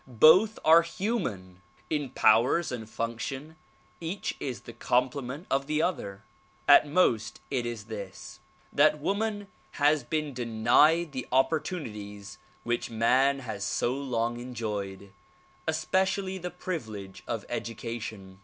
Both are human. In powers and function each is the complement of the other. At most it is this, — that woman has been denied the opportunities w^hich man 72 THE PROMULGATION OF UNIVERSAL PEACE has so long enjoyed, especially the privilege of education.